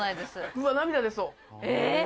うわ涙出そう！